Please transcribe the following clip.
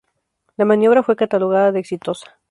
La maniobra fue catalogada de exitosa.